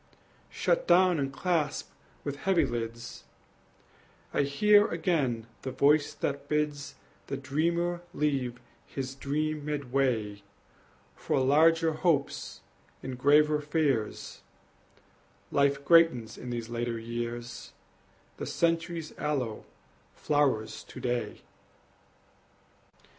Shut down and clasp the heavy lids; I hear again the voice that bids The dreamer leave his dream midway For larger hopes and graver fears Life greatens in these later years, The century's aloe flowers to day!